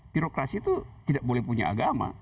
birokrasi itu tidak boleh punya agama